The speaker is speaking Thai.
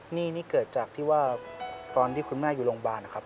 นี่นี่เกิดจากที่ว่าตอนที่คุณแม่อยู่โรงพยาบาลนะครับ